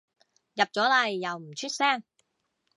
入咗嚟又唔出聲